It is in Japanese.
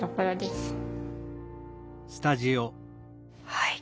はい。